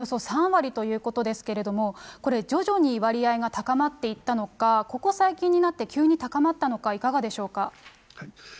坂巻先生、まず全体のおよそ３割ということですけれども、これ、徐々に割合が高まっていったのか、ここ最近になって急に高まったのか、いかがでしょうか。